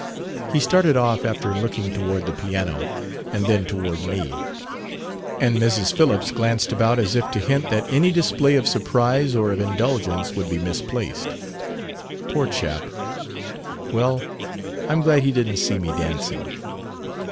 He started off after looking toward the piano and then toward me; and Mrs. Phillips glanced about as if to hint that any display of surprise or of indulgence would be misplaced. Poor chap! well, I'm glad he didn't see me dancing.